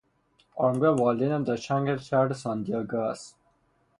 آرامگاه والدینم در شهر سان دیگو است.